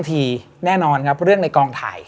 มีแค่แค่ช่องสร้าง